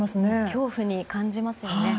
恐怖に感じますよね。